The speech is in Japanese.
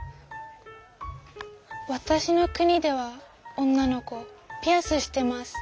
わたしの国では女の子ピアスしてます。